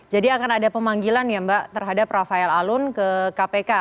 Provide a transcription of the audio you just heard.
jadi akan ada pemanggilan ya mbak terhadap rafaela alun ke kpk